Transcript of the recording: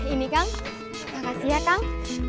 ini kang makasih ya kang